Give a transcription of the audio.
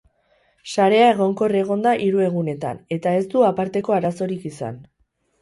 Sarea egonkor egon da hiru egunetan, eta ez du aparteko arazorik izan.